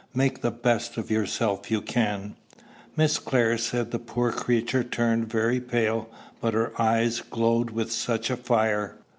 "Make the best of yourself you can." Miss Clare said the poor creature turned very pale, but her eyes glowed with such a fire!